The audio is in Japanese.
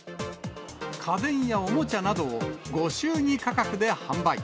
家電やおもちゃなどを、ご祝儀価格で販売。